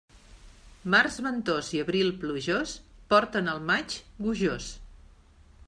Març ventós i abril plujós porten el maig gojós.